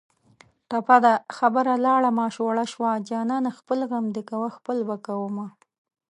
ټپه ده: خبره لاړه ماشوړه شوه جانانه خپل غم دې کوه خپل به کومه